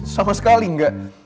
sama sekali enggak